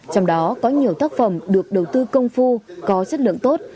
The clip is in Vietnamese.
trong đó có nhiều tác phẩm được đầu tư công phu có chất lượng tốt